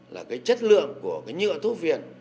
là cái chất lượng của cái nhựa thúc viện